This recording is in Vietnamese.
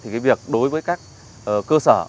cái việc đối với các cơ sở